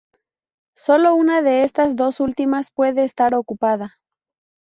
Solo una de estas dos últimas puede estar ocupada.